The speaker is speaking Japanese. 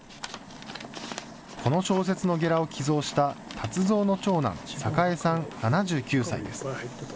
この小説のゲラを寄贈した達三の長男、旺さん７９歳です。